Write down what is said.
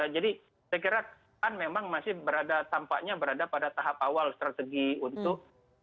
jadi saya kira pan memang masih tampaknya berada pada tahap awal strategi untuk